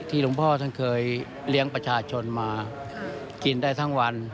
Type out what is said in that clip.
หลวงพ่อท่านเคยเลี้ยงประชาชนมากินได้ทั้งวัน